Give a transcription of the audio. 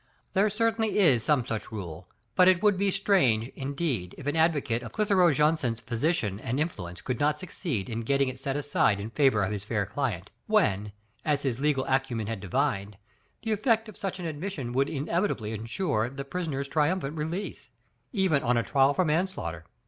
There certainly is some such rule, but it would be strange, indeed, if an advocate of Clitheroe Jacynth's position and influence could not succeed in getting it set aside in favor of his fair client, when, a? his legal acw Digitized by Google F, ANSTEY, 3" men had divined, the effect of such an admission would inevitably insure the prisoner's trium phant release, even on a trial for manslaughter.